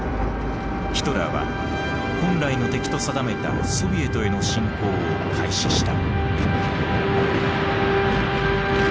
ヒトラーは本来の敵と定めたソビエトへの侵攻を開始した。